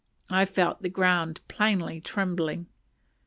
I felt the ground plainly trembling.